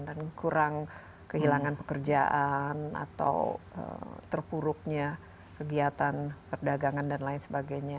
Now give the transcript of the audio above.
dan kurang kehilangan pekerjaan atau terpuruknya kegiatan perdagangan dan lain sebagainya